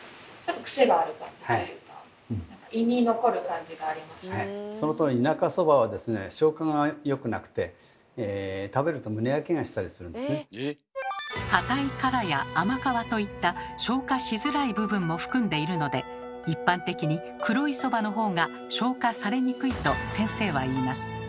はいそのとおり田舎そばはですね硬い殻や甘皮といった消化しづらい部分も含んでいるので一般的に黒いそばの方が消化されにくいと先生は言います。